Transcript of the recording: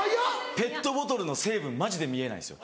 ペットボトルの成分マジで見えないんですよ。